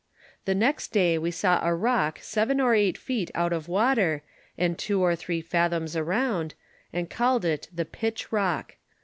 The next day we saw a rock seven or eight fket out of water, and two or three fathoms around, and called it the Pitch rock.